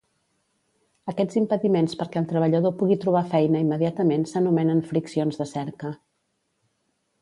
Aquests impediments perquè el treballador pugui trobar feina immediatament s'anomenen friccions de cerca.